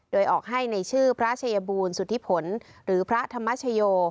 โดยออกให้ในชื่อพระเชยบูรณสุธิผลหรือพระธรรมชโย